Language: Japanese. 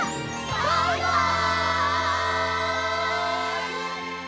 バイバイ！